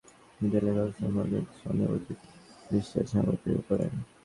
সভায় স্থানীয় মালিয়াট মাধ্যমিক বিদ্যালয়ের ব্যবস্থাপনা পর্ষদের সভাপতি অজিত বিশ্বাস সভাপতিত্ব করেন।